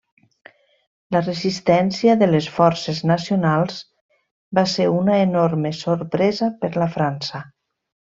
La resistència de les forces nacionals va ser una enorme sorpresa per la França.